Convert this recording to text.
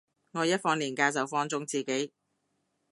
我一放連假就放縱自己